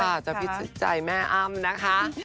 ค่ะจะพิจัยแม่อ้ามนะคะ